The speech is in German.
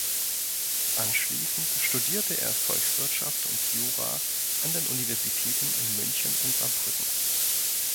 Anschließend studierte er Volkswirtschaft und Jura an den Universitäten in München und Saarbrücken.